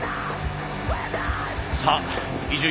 さあ伊集院